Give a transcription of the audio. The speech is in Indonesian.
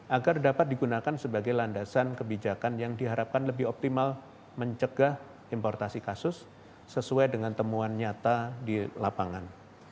agar dapat digunakan sebagai landasan kebijakan yang diharapkan lebih optimal mencegah importasi kasus sesuai dengan temuan nyata di lapangan